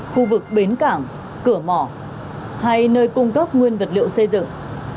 khu vực bến cảng cửa mỏ hay nơi cung cấp nguyên vật liệu xây dựng